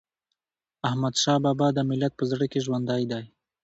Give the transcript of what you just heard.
احمدشاه بابا د ملت په زړه کي ژوندی دی.